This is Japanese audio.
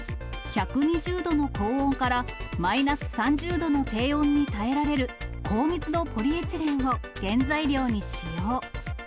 １２０度の高温からマイナス３０度の低温に耐えられる、高密度ポリエチレンを原材料に使用。